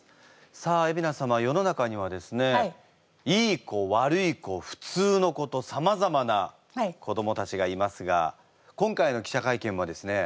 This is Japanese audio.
さあ海老名様世の中にはですねいい子悪い子普通の子とさまざまな子どもたちがいますが今回の記者会見もですね